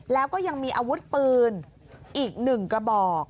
แล้วก็ยังมีอาวุธปืนอีก๑กระบอก